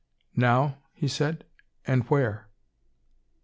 "Now?" he said. "And where?"